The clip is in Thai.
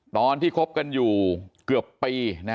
ตอนที่คบกันอยู่เกือบปีนะฮะ